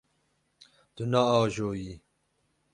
Tu naajoyî.